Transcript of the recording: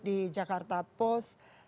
di jakarta post